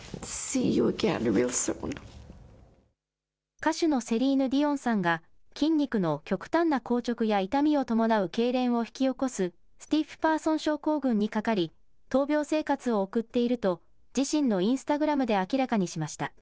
歌手のセリーヌ・ディオンさんが筋肉の極端な硬直や痛みを伴うけいれんを引き起こすスティッフパーソン症候群にかかり闘病生活を送っていると自身のインスタグラムで明らかにしました。